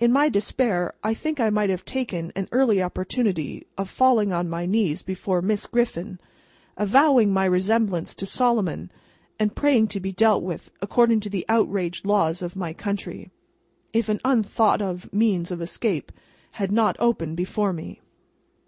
In my despair, I think I might have taken an early opportunity of falling on my knees before Miss Griffin, avowing my resemblance to Solomon, and praying to be dealt with according to the outraged laws of my country, if an unthought of means of escape had not opened before me.